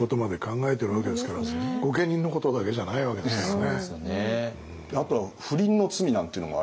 御家人のことだけじゃないわけですからね。